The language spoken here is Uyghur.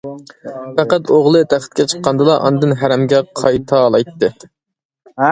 پەقەت ئوغلى تەختكە چىققاندىلا ئاندىن ھەرەمگە قايتالايتتى.